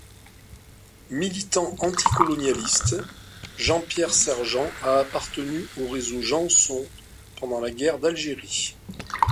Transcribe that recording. Militant anticolonialiste, Jean-Pierre Sergent a appartenu au Réseau Jeanson pendant la Guerre d'Algérie.